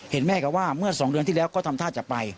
เห็นแม้กัวว่าเมื่อสองเดือนที่แล้วก็ทำท่าจะไป